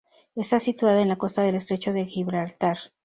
Está situada en la costa del Estrecho de Gibraltar.